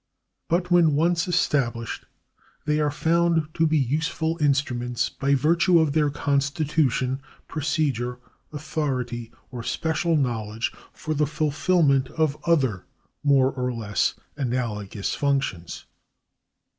But when once established, they are found to be useful instruments, by virtue of their constitution, procedure, authority, or special knowledge, for the fulfilment of other more or less analogous functions.